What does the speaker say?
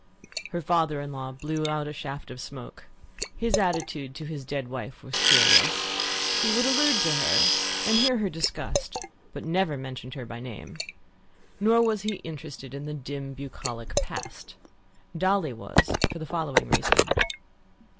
Her father in law blew out a shaft of smoke. His attitude to his dead wife was curious. He would allude to her, and hear her discussed, but never mentioned her by name. Nor was he interested in the dim, bucolic past. Dolly was for the following reason.